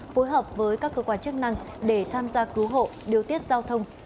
phối hợp với các cơ quan chức năng để tham gia cứu hộ điều tiết giao thông